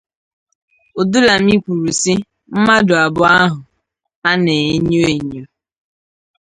Odulami kwuru sị: “Mmadụ abụọ ahụ a na-enyo enyo